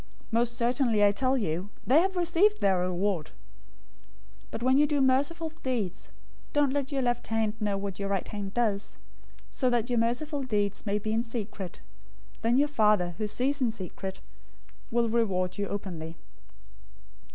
Most certainly I tell you, they have received their reward. 006:003 But when you do merciful deeds, don't let your left hand know what your right hand does, 006:004 so that your merciful deeds may be in secret, then your Father who sees in secret will reward you openly.